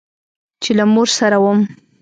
چې له مور سره وم.